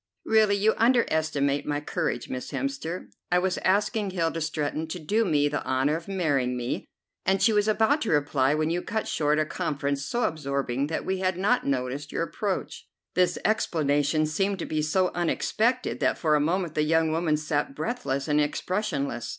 "Really, you underestimate my courage, Miss Hemster. I was asking Hilda Stretton to do me the honour of marrying me, and she was about to reply when you cut short a conference so absorbing that we had not noticed your approach." This explanation seemed to be so unexpected that for a moment the young woman sat breathless and expressionless.